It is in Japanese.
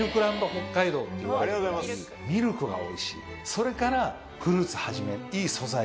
それからフルーツはじめ。